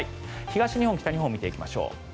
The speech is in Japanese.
東日本、北日本見ていきましょう。